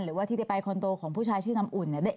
หรือว่าที่ได้ไปคอนโตของผู้ชายชื่อน้ำอุ่นเนี่ย